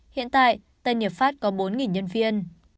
hiện tại tân hiệp pháp có bốn nhân viên